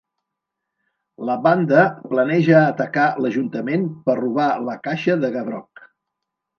La banda planeja atacar l'ajuntament per robar la Caixa de Gavrok.